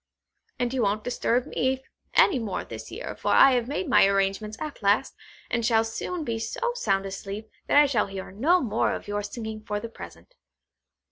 And you won't disturb me any more this year, for I have made my arrangements at last, and shall soon be so sound asleep, that I shall hear no more of your singing for the present.